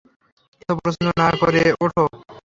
এত প্রশ্ন না করে ওঠো।